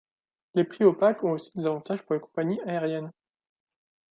Les prix opaques ont aussi des avantages pour les compagnies aériennes.